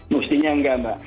mestinya tidak mbak